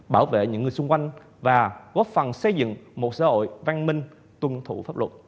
bảo vệ những người xung quanh và góp phần xây dựng một xã hội văn minh tuân thủ pháp luật